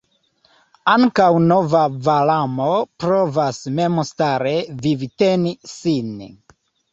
Ankaŭ nova Valamo provas memstare vivteni sin.